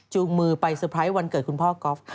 จูงมือไปสุปไพรส์วันเกิดคุณพ่อกอล์ฟ